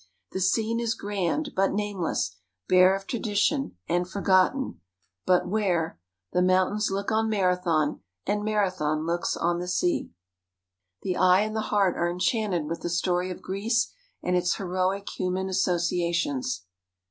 The scene is grand, but nameless, bare of tradition, and forgotten. But where "The mountains look on Marathon, And Marathon looks on the sea," the eye and the heart are enchanted with the story of Greece and its heroic human associations.